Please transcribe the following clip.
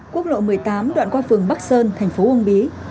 quốc lộ một mươi tám đoạn qua phường bắc sơn thành phố uông bí